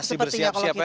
masih bersiap siap ya